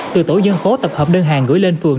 từ tổ dân phố tập hợp đơn hàng gửi lên phường